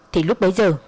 thì lúc bấy giờ